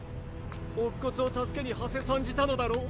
乙骨を助けにはせ参じたのだろう？